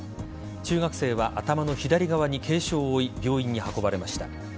中学生は頭の左側に軽傷を負い病院に運ばれました。